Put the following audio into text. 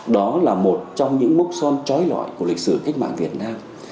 đó là một trong những mốc son trói lọi của lịch sử cách mạng việt nam